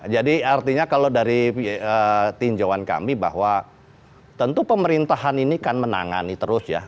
jadi artinya kalau dari tinjauan kami bahwa tentu pemerintahan ini akan menangani terus ya